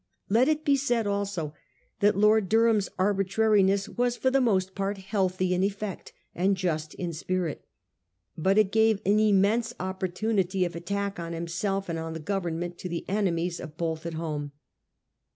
Let it be said also that Lord Durham's arbitrariness was for the most part healthy in effect and just in spirit. But it gave an immense opportunity of attack on himself and on the Government to the enemies of both at home.